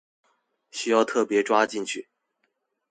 需要特別抓進去